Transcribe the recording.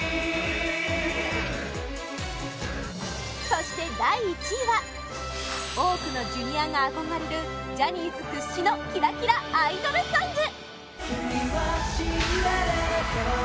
そして、第１位は多くのＪｒ．が憧れるジャニーズ屈指のキラキラアイドルソング！